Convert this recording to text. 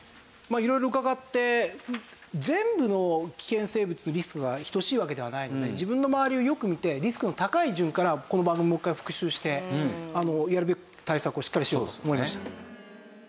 色々伺って全部の危険生物のリスクが等しいわけではないので自分の周りをよく見てリスクの高い順からこの番組もう一回復習してやるべき対策をしっかりしようと思いました。